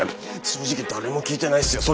正直誰も聞いてないっすよ。